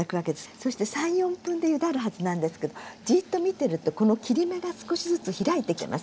そして３４分でゆだるはずなんですけどじっと見てるとこの切り目が少しずつ開いてきます。